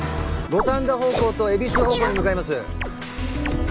五反田方向と恵比寿方向に向かいます